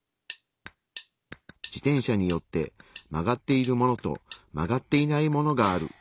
自転車によって曲がっているものと曲がっていないものがある。